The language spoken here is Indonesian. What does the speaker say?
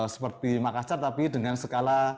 seperti makassar tapi dengan skala